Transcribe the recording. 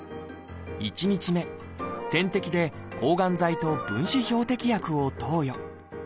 １日目点滴で抗がん剤と分子標的薬を投与。